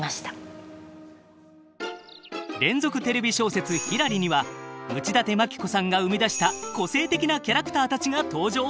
連続テレビ小説「ひらり」には内館牧子さんが生み出した個性的なキャラクターたちが登場。